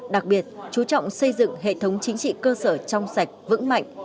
đặc biệt chú trọng xây dựng hệ thống chính trị cơ sở trong sạch vững mạnh